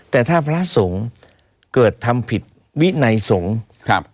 แต่ถ้าพระสงฆ์เกิดทำผิดวินัยสงฆ์ครับ